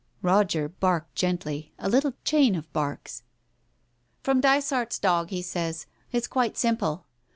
" Roger barked gently, a little chain of barks. "From Dysart's dog, he says. It's quite simple.